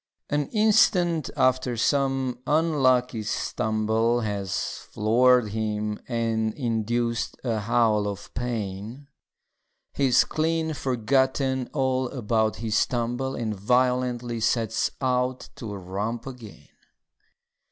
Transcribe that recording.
An instant after some unlucky stumble Has floored him and induced a howl of pain, He's clean forgotten all about his tumble And violently sets out to romp again.